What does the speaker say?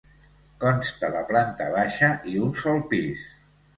Consta de planta baixa i un sol pis.